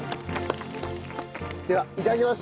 ではいただきます。